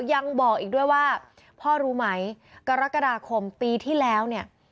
ยังบอกอีกด้วยว่าพ่อรู้ไหมกรกฎาคมปีที่แล้วเนี่ย